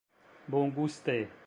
bonguste